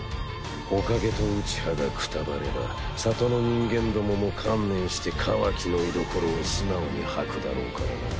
火影とうちはがくたばれば里の人間どもも観念してカワキの居所を素直に吐くだろうからな。